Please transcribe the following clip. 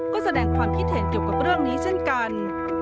ก็แสดงความคิดเห็นเกี่ยวกับเรื่องนี้เช่นกัน